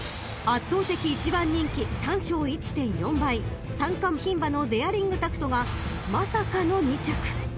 ［圧倒的１番人気単勝１．４倍三冠牝馬のデアリングタクトがまさかの２着］